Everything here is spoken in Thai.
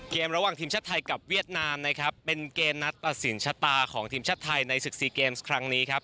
ระหว่างทีมชาติไทยกับเวียดนามนะครับเป็นเกมนัดตัดสินชะตาของทีมชาติไทยในศึกซีเกมส์ครั้งนี้ครับ